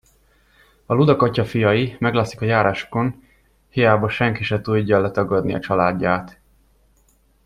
A ludak atyafiai, meglátszik a járásukon, hiába, senki se tudja letagadni a családját.